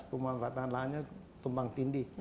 pemanfaatan tanahnya tumpang tindih